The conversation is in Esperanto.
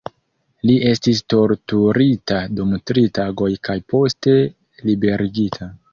Li estis torturita dum tri tagoj kaj poste liberigita.